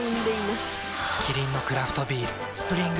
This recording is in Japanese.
キリンのクラフトビール「スプリングバレー」